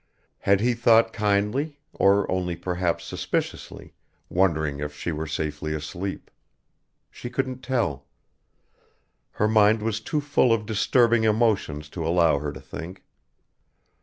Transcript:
Had he thought kindly, or only perhaps suspiciously, wondering if she were safely asleep? She couldn't tell. Her mind was too full of disturbing emotions to allow her to think.